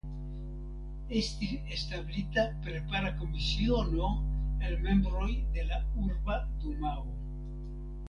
Estis establita prepara komisiono el membroj de la urba dumao.